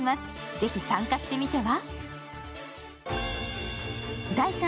ぜひ参加してみては！